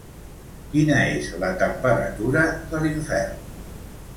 Quina és la temperatura de l'infern?